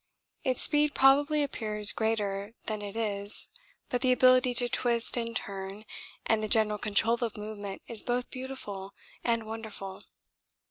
Its speed probably appears greater than it is, but the ability to twist and turn and the general control of movement is both beautiful and wonderful.